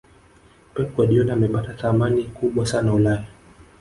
pep guardiola amepata thamani kubwa sana ulaya